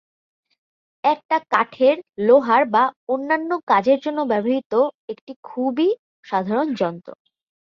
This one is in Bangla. এটা কাঠের, লোহার বা অন্যান্য কাজের জন্য ব্যবহৃত একটি খুবই সাধারণ যন্ত্র।